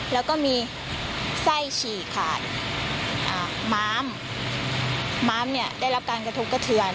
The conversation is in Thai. แล้วก็มีใส้ฉี่ค่ะบินเต็มได้รับการกระทบกระเทือน